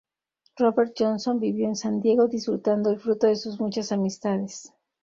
Robert Johnson vivió en San Diego, disfrutando el fruto de sus muchas amistades.